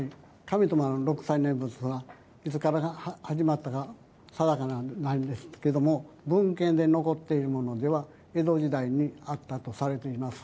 六斎念仏はいつから始まったかさだかではないんですけども文献で残っているものでは江戸時代にあったとされています。